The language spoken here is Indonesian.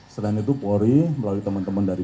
selain itu polri melalui teman teman dari